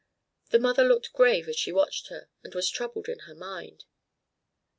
The mother looked grave as she watched her, and was troubled in her mind.